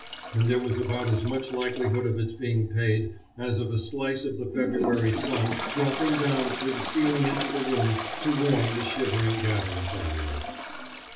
And there was about as much likelihood of its being paid as of a slice of the February sun dropping down through the ceiling into the room to warm the shivering Gavin family.